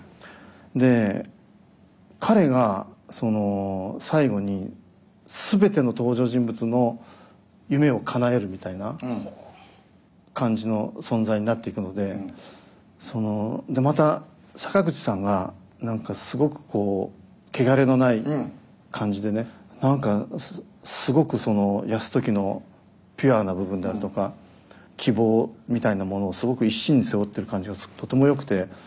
で彼が最後に全ての登場人物の夢をかなえるみたいな感じの存在になっていくのでそのまた坂口さんが何かすごくこう汚れのない感じでね何かすごく泰時のピュアな部分であるとか希望みたいなものをすごく一身に背負ってる感じがとてもよくて。